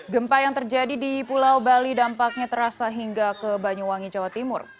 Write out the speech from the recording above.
gempa yang terjadi di pulau bali dampaknya terasa hingga ke banyuwangi jawa timur